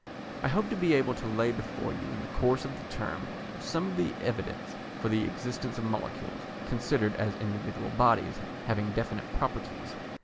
I hope to be able to lay before you in the course of the term some of the evidence for the existence of molecules, considered as individual bodies having definite properties.